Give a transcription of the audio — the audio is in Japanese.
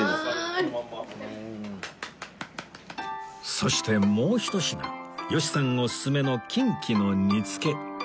そしてもうひと品吉さんおすすめのキンキの煮付け